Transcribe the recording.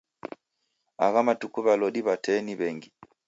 Agha matuku w'alodi w'a tee ni w'engi